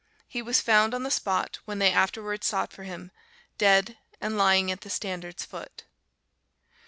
He was found on the spot, when they afterwards sought for him, dead, and lying at the standard's foot.